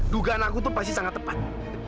dugaan aku itu pasti sangat tepat